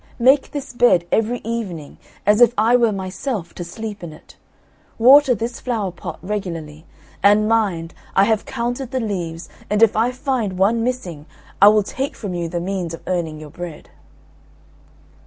Make this bed every evening, as if I were myself to sleep in it. Water this flower pot regularly, and mind, I have counted the leaves, and if I find one missing I will take from you the means of earning your bread."